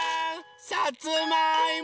さつまいも！